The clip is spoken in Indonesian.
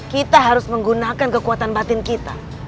kita harus menggunakan kekuatan batin kita